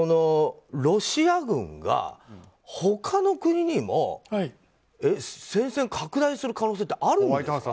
ロシア軍が他の国にも戦線拡大する可能性はあるんですか？